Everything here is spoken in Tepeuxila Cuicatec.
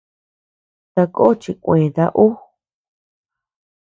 Takó chikueta ú.